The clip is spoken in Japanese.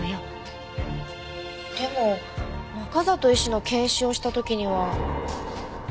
でも中里医師の検視をした時には。